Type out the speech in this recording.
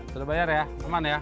sudah bayar ya aman ya